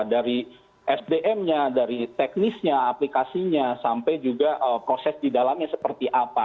dari sdm nya dari teknisnya aplikasinya sampai juga proses di dalamnya seperti apa